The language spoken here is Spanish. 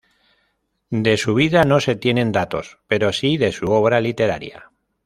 De su vida no se tienen datos, pero sí de su obra literaria.